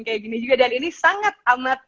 kayak gini juga dan ini sangat amat